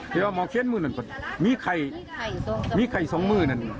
พี่ว่ามองเครียดมือนั่นมีไข่สองมือนั่น